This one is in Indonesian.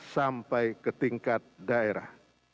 sampai ke tingkat daerah